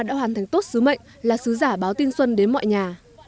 đã hoàn thành tốt sứ mệnh là sứ giả báo tin xuân đến mọi nhà